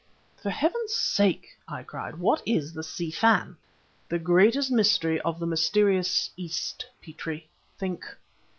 "For Heaven's sake!" I cried, "what is the Si Fan?" "The greatest mystery of the mysterious East, Petrie. Think.